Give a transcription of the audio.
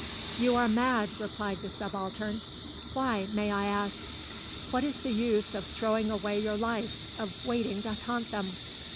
"You are mad," replied the Subaltern. "Why, may I ask?" "What is the use of throwing away your life, of waiting to taunt them?"